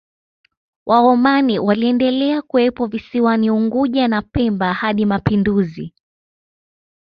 Waomani waliendelea kuwepo visiwani Unguja na Pemba hadi mapinduzi